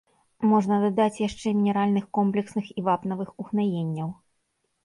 Можна дадаць яшчэ мінеральных комплексных і вапнавых угнаенняў.